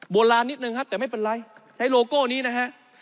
ลานนิดนึงครับแต่ไม่เป็นไรใช้โลโก้นี้นะฮะ